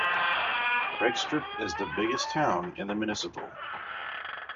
Regstrup is the biggest town in the municipal.